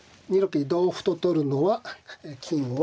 桂に同歩と取るのは金を。